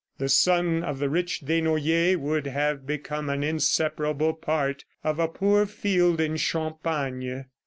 The son of the rich Desnoyers would have become an inseparable part of a poor field in Champagne.